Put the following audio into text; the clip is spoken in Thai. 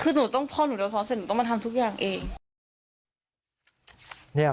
คือพอหนูจะซ้อมเสร็จหนูต้องมาทำทุกอย่างเอง